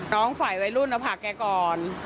น้องไฟวัยรุ่นเอาผักแก่ก่อน